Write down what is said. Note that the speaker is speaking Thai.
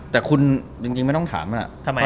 แต่คุณจริงไม่ต้องถามอ่ะ